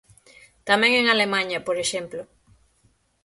Tamén en Alemaña, por exemplo.